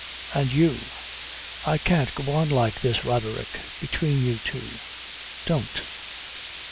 And you? I can't go on like this, Roderick between you two. Don't."